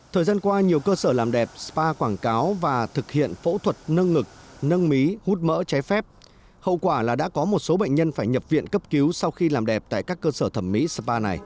thời gian qua nhiều cơ sở làm đẹp spa quảng cáo và thực hiện phẫu thuật nâng ngực nâng mí hút mỡ ché phép